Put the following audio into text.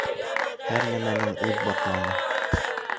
Һәр нәмәнең үҙ батманы.